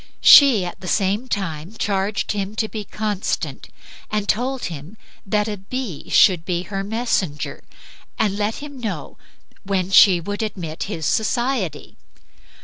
She at the same time charged him to be constant and told him that a bee should be her messenger and let him know when she would admit his society.